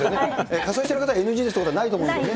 仮装している方がＮＧということはないと思うんでね。